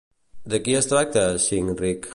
De qui es tracta Cynric?